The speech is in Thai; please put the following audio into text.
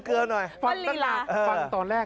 ขายมาตั้งสี่สิบกว่าปีแล้ว